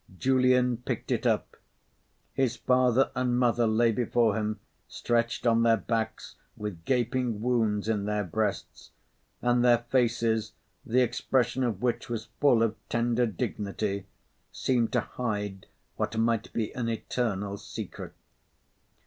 Julian picked it up. His father and mother lay before him, stretched on their backs, with gaping wounds in their breasts; and their faces, the expression of which was full of tender dignity, seemed to hide what might be an eternal secret.